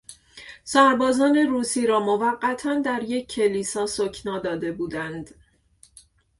سربازان روسی را موقتا در یک کلیسا سکنی داده بودند.